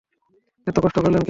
এত কষ্ট করলেন কেন?